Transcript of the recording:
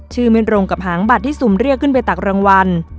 ไม่ตรงกับหางบัตรที่สุ่มเรียกขึ้นไปตักรางวัล